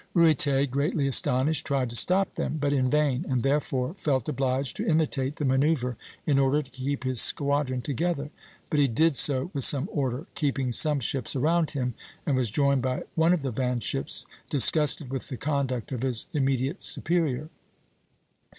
Ruyter, greatly astonished, tried to stop them, but in vain, and therefore felt obliged to imitate the manoeuvre in order to keep his squadron together; but he did so with some order, keeping some ships around him, and was joined by one of the van ships, disgusted with the conduct of his immediate superior.